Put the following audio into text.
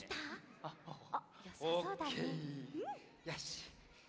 よし！